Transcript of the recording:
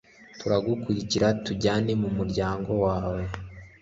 turagukurikira tujyane mu muryango wawe